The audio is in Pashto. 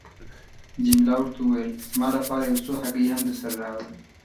جميله ورته وویل: زما لپاره یو څو هګۍ هم درسره راوړه.